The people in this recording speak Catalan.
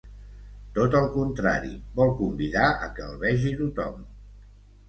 Tot el contrari, vol convidar a que el vegi tothom.